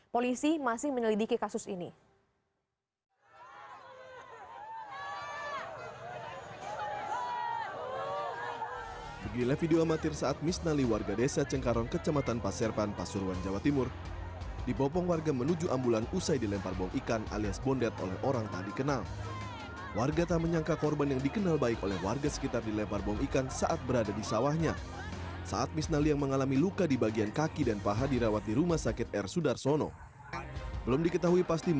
polisi masih menyelidiki kasus ini